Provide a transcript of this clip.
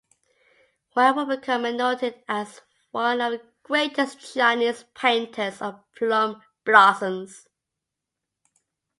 Wang would become noted as one of the greatest Chinese painters of plum blossoms.